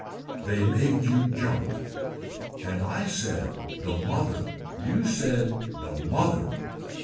They made you jump. And I said the mother you said the mother.